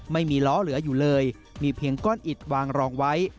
ไม่มีล้อเหลืออยู่เลยมีเพียงก้อนอิดวางรองไว้